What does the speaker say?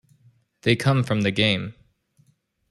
They come from the game.